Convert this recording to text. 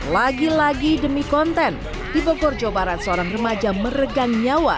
lagi lagi demi konten di bogor jawa barat seorang remaja meregang nyawa